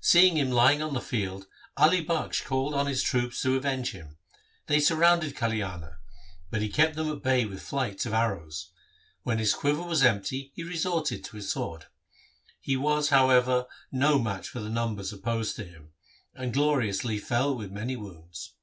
Seeing him lying on the field Ali Bakhsh called on his troops to avenge him. They surrounded Kalyana, but he kept them at bay with flights of arrows. When his quiver was empty he resorted to his sword. He was, however, no match for the numbers opposed to him, and gloriously fell with many wounds.